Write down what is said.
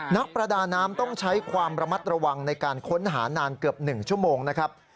นักประดาน้ำต้องใช้ความระมัดระวังในการค้นหานานเกือบ๑ชั่วโมงนะครับ